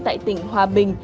tại tỉnh hòa bình